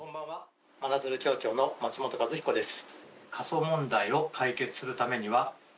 真鶴町長の松本一彦です。